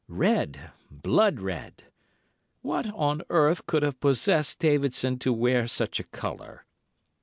Red, blood red! What one earth could have possessed Davidson to wear such a colour!